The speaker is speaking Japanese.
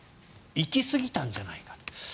行きすぎたんじゃないか。